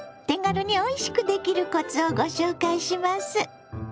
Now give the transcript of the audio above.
手軽においしくできるコツをご紹介します。